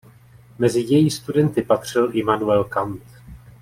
Mezi její studenty patřil Immanuel Kant.